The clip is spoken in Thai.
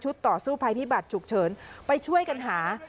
ต่อสู้ภัยพิบัตรฉุกเฉินไปช่วยกันหา